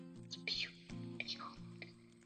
后来才发现相机包包